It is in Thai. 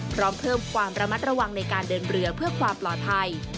พร้อมเพิ่มความระมัดระวังในการเดินเรือเพื่อความปลอดภัย